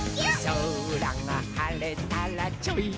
「そらがはれたらちょいとむすび」